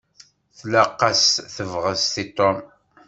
Tlaq-as tebɣest i Tom.